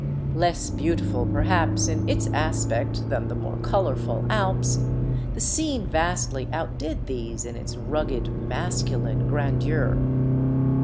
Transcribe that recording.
Less beau tiful, perhaps, in its aspect than the more colorful Alps, the scene vastly outdid these in its rugged, masculine grandeur.